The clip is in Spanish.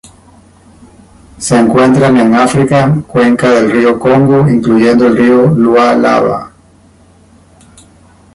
Se encuentran en África: cuenca del río Congo, incluyendo el río Lualaba.